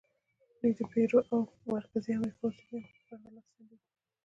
دوی د پیرو او مرکزي امریکا اوسېدونکو په پرتله لس چنده دي.